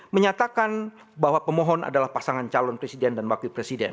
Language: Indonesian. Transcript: menyatakan bahwa pemohon adalah pasangan calon presiden dan wakil presiden